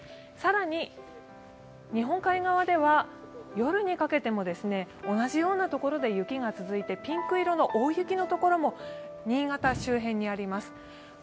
更に日本海側では夜にかけても同じような所で雪が続いて、ピンク色の大雪の所も新潟周辺にあります。